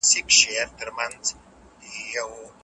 آیا افغانستان کې واکسین کمپاین ګړندی شوی دی؟